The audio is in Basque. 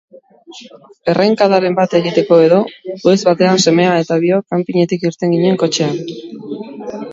Errenkadaren bat egiteko edo, goiz batean semea eta biok kanpinetik irten ginen kotxean.